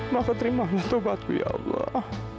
maka terima kasih atuh batu ya allah